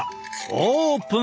オープン！